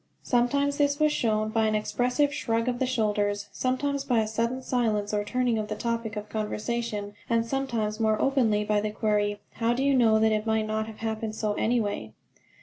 Sometimes this was shown by an expressive shrug of the shoulders, sometimes by a sudden silence or turning of the topic of conversation, and sometimes more openly by the query: "How do you know that it might not have happened so, anyway?"